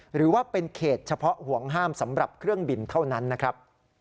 หรือว่าเป็นเขตเฉพาะห่วงห้ามสำหรับเครื่องบินเท่านั้นนะครับ